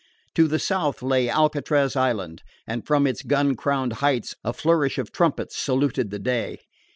To the south lay Alcatraz Island, and from its gun crowned heights a flourish of trumpets saluted the day.